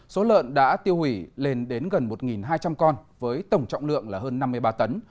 số lợn đã tiêu hủy lên đến gần một hai trăm linh con với tổng trọng lượng là hơn năm mươi ba tấn